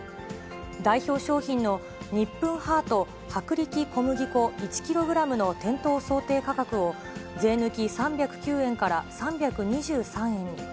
代表商品のニップンハート薄力小麦粉１キログラムの店頭想定価格を、税抜き３０９円から３２３円に。